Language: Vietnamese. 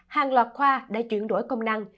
hàng loạt khoa để chuyển đổi công năng